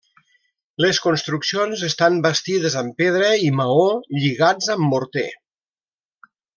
Les construccions estan bastides amb pedra i maó lligats amb morter.